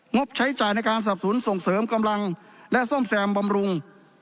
บใช้จ่ายในการสับสนส่งเสริมกำลังและซ่อมแซมบำรุง